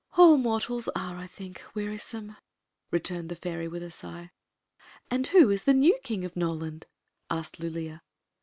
"All mortals are, I think, wearisome," returned the fairy, with a sigh. "And who is the new King of Noland?" asked Lulea.